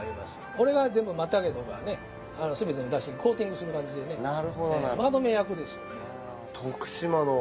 これが全部松茸とかね全てのダシをコーティングする感じでねまとめ役ですよね。